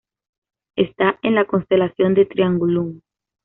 Está en la constelación de Triangulum.